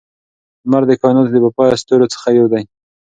لمر د کائناتو د بې پایه ستورو څخه یو دی.